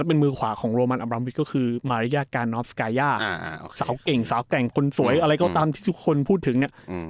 แล้วเป็นมือขวาของโรมันอับราวิชก็คือสาวเก่งสาวแก่งคนสวยอะไรก็ตามที่ทุกคนพูดถึงเนี้ยอืม